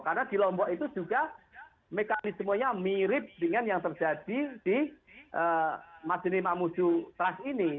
karena di lombok itu juga mekanismenya mirip dengan yang terjadi di majene mamuju trust ini